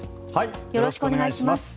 よろしくお願いします。